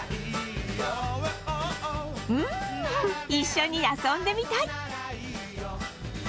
うん一緒に遊んでみたい！